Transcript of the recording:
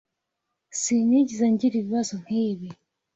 Sinigeze ngira ibibazo nkibi.